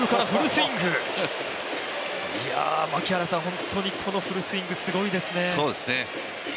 本当にこのフルスイング、すごいですね。